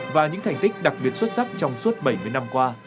và những thành tích đặc biệt xuất sắc trong suốt bảy mươi năm qua